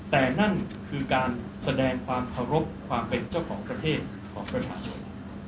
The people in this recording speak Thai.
แต่นั่นคือการแสดงความเคารพความเป็นเจ้าของประเทศของประชาชน